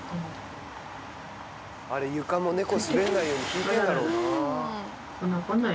あれ床も猫滑んないように敷いてんだろうな。